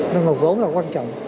nên nguồn vốn là quan trọng